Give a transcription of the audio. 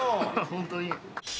本当に。